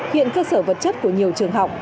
hiện cơ sở vật chất của nhiều trường học